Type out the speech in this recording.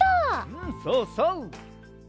うんそうそう！